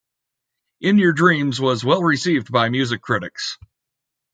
"In Your Dreams" was well received by music critics.